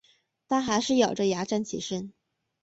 她还是咬著牙站起身